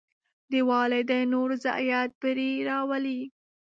د والدینو رضایت بری راولي.